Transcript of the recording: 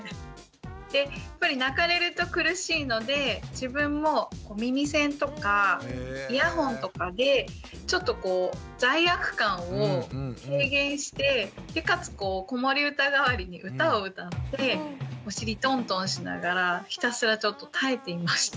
でやっぱり泣かれると苦しいので自分も耳栓とかイヤホンとかでちょっと罪悪感を軽減してかつ子守歌代わりに歌を歌ってお尻トントンしながらひたすらちょっと耐えていました。